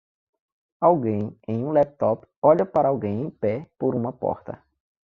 Alguém em um laptop olha para alguém em pé por uma porta